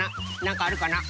なんかあるかな？